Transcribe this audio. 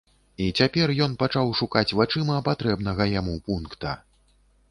І цяпер ён пачаў шукаць вачыма патрэбнага яму пункта.